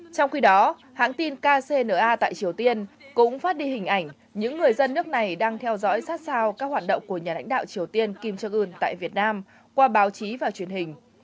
trong khi đó hãng tin kcna tại triều tiên cũng phát đi hình ảnh những người dân nước này đang theo dõi sát sao các hoạt động của nhà lãnh đạo triều tiên kim jong un tại việt nam qua báo chí và truyền hình